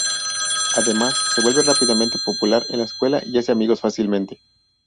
Además, se vuelve rápidamente popular en la escuela y hace amigos fácilmente.